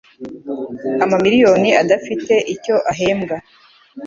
Amamiliyoni adafite icyo ahembwa -